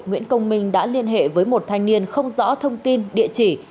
nguyễn công minh đã liên hệ với một thanh niên không rõ thông tin địa chỉ